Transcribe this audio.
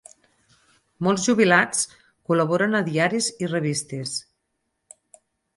Molts jubilats col·laboren a diaris i revistes.